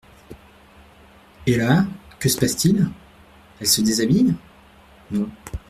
Et là, que se passe-t-il ? Elle se déshabille ? Non.